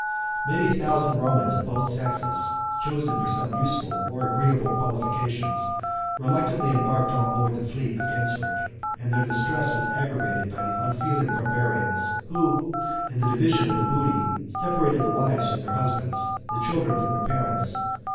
9 Many thousand Romans of both sexes, chosen for some useful or agreeable qualifications, reluctantly embarked on board the fleet of Genseric; and their distress was aggravated by the unfeeling Barbarians, who, in the division of the booty, separated the wives from their husbands, and the children from their parents.